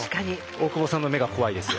大久保さんの目が怖いですよ。